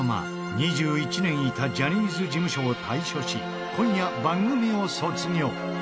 ２１年いたジャニーズ事務所を退所し今夜番組を卒業。